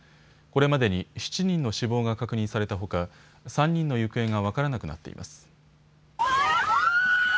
これまでに７人の死亡が確認されたほか３人の行方が分からなくなっています。